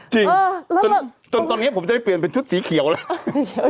จริงจนตอนนี้ผมจะได้เปลี่ยนเป็นชุดสีเขียวแล้ว